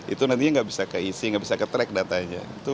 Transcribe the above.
itu nantinya nggak bisa keisi nggak bisa ketrack datanya